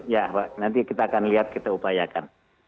ya nanti kita akan lihat kita upayakan